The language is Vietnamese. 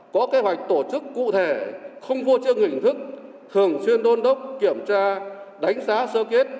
có kế hoạch tổ chức cụ thể không vô chương hình thức thường xuyên đôn đốc kiểm tra đánh giá sơ kết